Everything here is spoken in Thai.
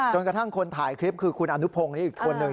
จนกระทั่งคนถ่ายคลิปคือคุณอนุพงศ์นี้อีกคนนึง